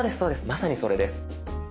まさにそれです。